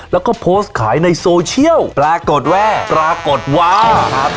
แล้วก็โพสต์ขายในโซเชียลปรากฏว่าปรากฏว่าครับ